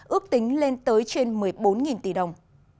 ước tính lên tới trên một mươi bốn tỷ đồng